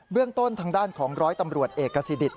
เรื่องต้นทางด้านของร้อยตำรวจเอกกษิต